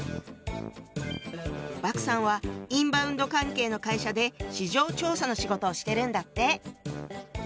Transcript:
莫さんはインバウンド関係の会社で市場調査の仕事をしてるんだって。